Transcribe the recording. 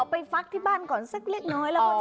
ไปฟักที่บ้านก่อนสักเล็กน้อยแล้วก็จ